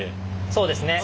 そうですね。